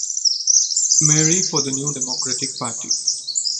Marie for the New Democratic Party.